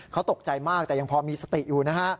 เขาตกใจมากแต่ยังพอมีสติอยู่นะฮะ